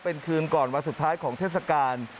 เป็นคืนก่อนวันสุดท้ายของเทศกาล